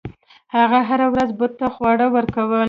هغه هره ورځ بت ته خواړه ورکول.